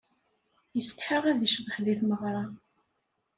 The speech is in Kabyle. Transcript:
Isetḥa ad icḍeḥ di tmeɣra.